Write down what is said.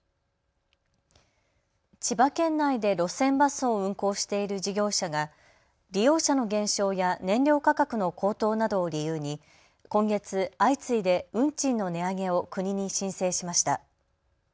千葉県内で路線バスを運行している事業者が利用者の減少や燃料価格の高騰などを理由に今月、相次いで運賃の値上げを国に申請しました。